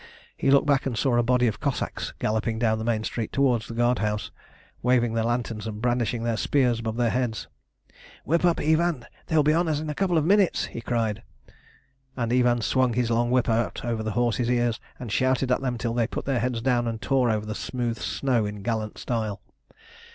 He looked back and saw a body of Cossacks galloping down the main street towards the guard house, waving their lanterns and brandishing their spears above their heads. "Whip up, Ivan, they will be on us in a couple of minutes!" he cried and Ivan swung his long whip out over his horses' ears, and shouted at them till they put their heads down and tore over the smooth snow in gallant style.